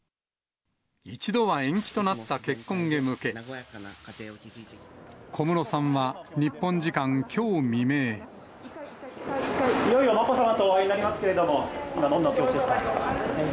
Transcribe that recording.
一度は延期となった結婚へ向け、いよいよまこさまとお会いになりますけれども、今、どんなお気持ちですか？